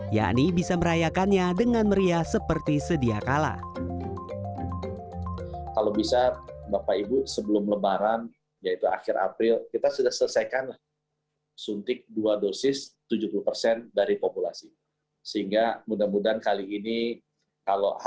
yakni bisa merayakannya dengan meriah seperti sedia kala